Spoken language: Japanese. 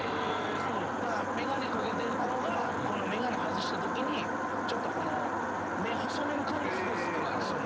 だから眼鏡かけてる子がこの眼鏡外したときにちょっとこの目細める感じがすごい好きなんですよ。